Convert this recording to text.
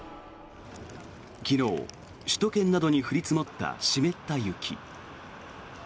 昨日、首都圏などに降り積もった湿った雪。